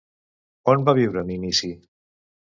On van viure en inici?